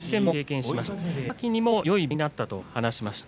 そのときもよい勉強になったと話しました